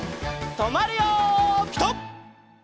とまるよピタ！